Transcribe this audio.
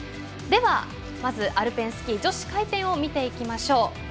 では、まずはアルペンスキー女子回転を見ていきましょう。